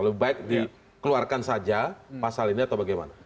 lebih baik dikeluarkan saja pasal ini atau bagaimana